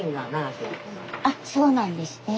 あっそうなんですね。